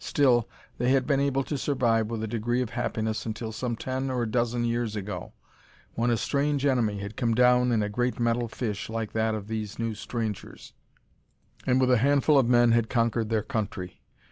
Still, they had been able to survive with a degree of happiness until some ten or a dozen years ago, when a strange enemy had come down in a great metal fish, like that of these new strangers, and with a handful of men had conquered their country.